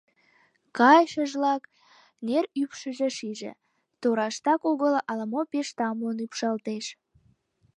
Кайышыжлак нер ӱпшыжӧ шиже: тораштак огыл ала-мо пеш тамлын ӱпшалтеш.